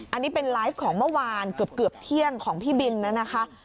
อันนี้เป็นไลฟ์ของเมื่อวานเกือบเที่ยงของพี่บินนะคะ